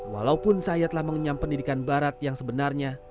walaupun saya telah mengenyam pendidikan barat yang sebenarnya